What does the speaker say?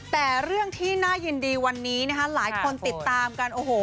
แต่เรื่องที่น่ายินดีวันนี้นะคะหลายคนติดตามกันโอ้โห